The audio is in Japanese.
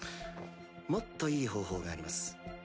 もっといい方法があります。